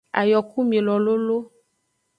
Ayokumilo lolo.